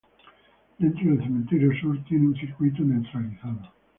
Dentro del Cementerio Sur tiene un circuito neutralizado.